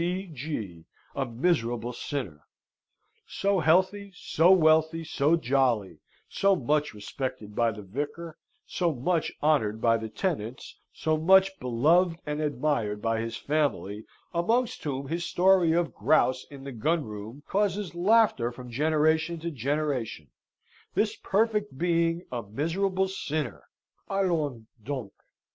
C. G. a miserable sinner! So healthy, so wealthy, so jolly, so much respected by the vicar, so much honoured by the tenants, so much beloved and admired by his family, amongst whom his story of grouse in the gunroom causes laughter from generation to generation; this perfect being a miserable sinner! Allons donc!